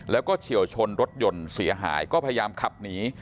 แล้วก็เฉียวชนรถยนต์เสียหายก็พยายามขับหนี